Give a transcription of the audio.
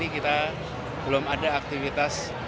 kita belum ada aktivitas